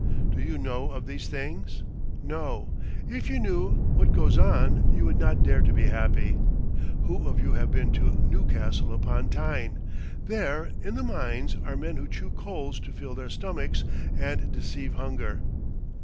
Do you know of these things? No. If you knew what goes on, you would not dare to be happy. Who of you have been to Newcastle upon Tyne? There, in the mines, are men who chew coals to fill their stomachs and deceive hunger.